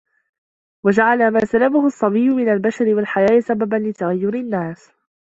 وَجَعَلَ مَا سَلَبَهُ الصَّبِيُّ مِنْ الْبِشْرِ وَالْحَيَاءِ سَبَبًا لِتَغَيُّرِ النَّاسِ